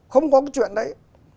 không có cái chuyện đấy